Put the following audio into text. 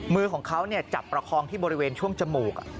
มือของเขาจับประคองที่บริเวณช่วงจมูก